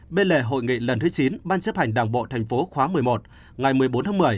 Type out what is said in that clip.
bên lề hội nghị lần thứ chín ban chấp hành đảng bộ thành phố khóa một mươi một ngày một mươi bốn tháng một mươi